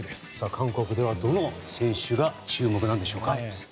韓国ではどの選手が注目でしょうか？